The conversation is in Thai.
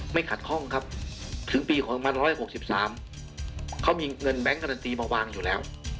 ขัดข้องครับถึงปี๒๑๖๓เขามีเงินแบงค์การันตีมาวางอยู่แล้ว